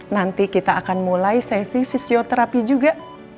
nanti kita akan mulai sesi fisioterapi juga